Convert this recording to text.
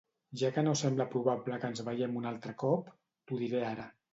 Ja que no sembla probable que ens veiem un altre cop, t'ho diré ara.